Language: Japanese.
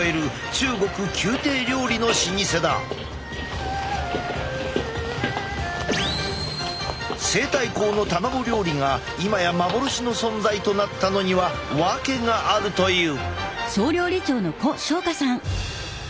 こちら西太后の卵料理が今や幻の存在となったのには訳があるという。